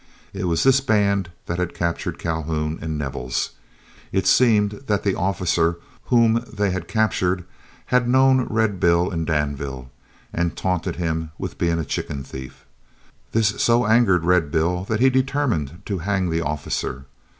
It was this band that had captured Calhoun and Nevels. It seemed that the officer whom they had captured had known Red Bill in Danville, and taunted him with being a chicken thief. This so angered Red Bill that he determined to hang the officer.